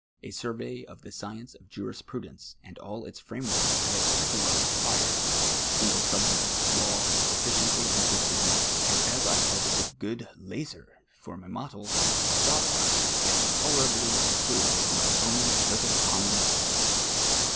A survev of the science of im is prudence and all its framework I had pretty well accpiired, single siibjects of law sufficiently interested me, and as I had the good Leyscr for my model, I thought I should get tolerably through with my ovni little common sense.